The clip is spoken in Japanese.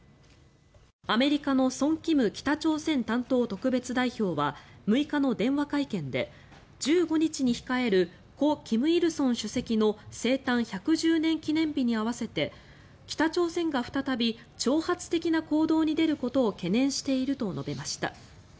アメリカのソン・キム北朝鮮担当特別代表は６日の電話会見で１５日に控える故・金日成主席の生誕１１０年記念日に合わせて北朝鮮が再び挑発的な行動に出ることを懸念していると述べました。